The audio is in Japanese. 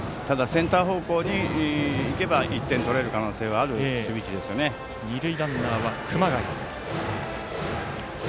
センター方向にいけば１点取れる可能性はある二塁ランナーは熊谷。